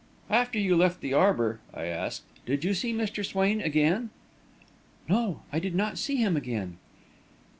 "After you left the arbour," I asked, "did you see Mr. Swain again?" "No, I did not see him again."